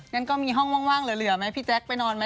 งั้นก็มีห้องว่างเหลือไหมพี่แจ๊คไปนอนไหม